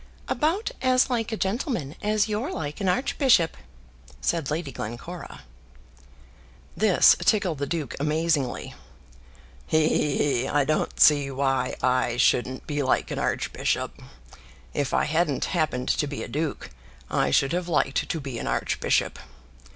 "About as like a gentleman as you're like an archbishop," said Lady Glencora. This tickled the duke amazingly. "He, he, he; I don't see why I shouldn't be like an archbishop. If I hadn't happened to be a duke, I should have liked to be an archbishop.